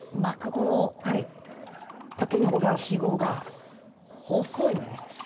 この竹ひごが細いね。